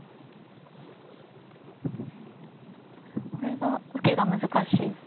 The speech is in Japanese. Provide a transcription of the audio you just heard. これが受けが難しいと。